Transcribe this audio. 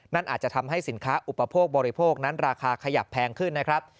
อาจจะทำให้สินค้าอุปโภคบริโภคนั้นราคาขยับแพงขึ้นนะครับ